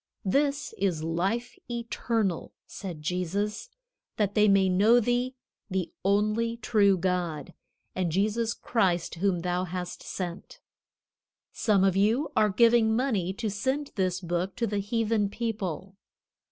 "This is life eternal," said Jesus, "that they may know thee, the only true God, and Jesus Christ whom thou hast sent." Some of you are giving money to send this Book to the heathen people.